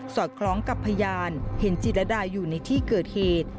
อดคล้องกับพยานเห็นจิรดาอยู่ในที่เกิดเหตุ